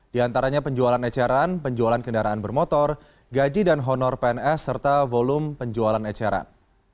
di antaranya penjualan eceran penjualan kendaraan bermotor gaji dan honor pns serta volume penjualan eceran